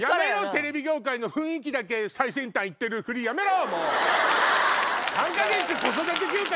テレビ業界の雰囲気だけ最先端行ってるふりやめろ！